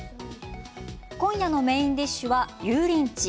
今夜のメインディッシュは油淋鶏。